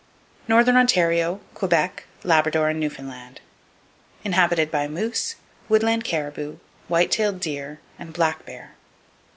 Northern Ontario, Quebec, Labrador And Newfoundland , inhabited by moose, woodland caribou, white tailed deer and black bear.